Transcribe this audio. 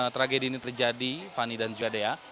tragedi ini terjadi fani dan juwadea